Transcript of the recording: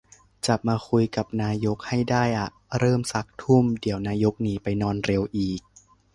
จับมาคุยกับนายกให้ได้อะ เริ่มซัก ทุ่ม เดี๋ยวนายกหนีไปนอนเร็วอีก